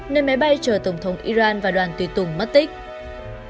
nên máy bay chờ tổng thống iran và đoàn tùy tùng mất tích